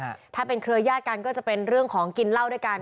ถ้าเป็นเครือญาติกันก็จะเป็นเรื่องของกินเหล้าด้วยกัน